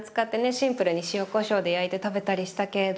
シンプルに塩・こしょうで焼いて食べたりしたけれど。